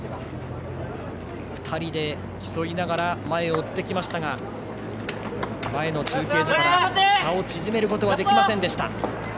２人で競いながら前を追ってきましたが前の中継所から差を縮められませんでした。